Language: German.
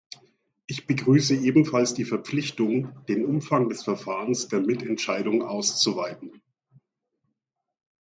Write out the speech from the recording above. Ich begrüße ebenfalls die Verpflichtung, den Umfang des Verfahrens der Mitentscheidung auszuweiten.